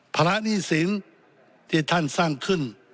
ภาระหนี้สินที่ท่านสร้างขึ้น